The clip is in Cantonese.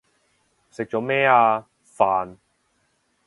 食咗咩啊？飯